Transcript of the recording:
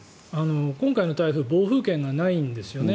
今回の台風暴風圏がないんですよね。